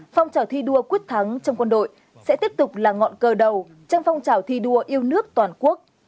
phong trào thi đua quyết thắng trong quân đội sẽ tiếp tục là ngọn cờ đầu trong phong trào thi đua yêu nước toàn quốc